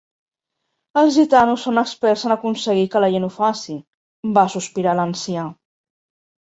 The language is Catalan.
"Els gitanos són experts en aconseguir que la gent ho faci," va sospirar l'ancià.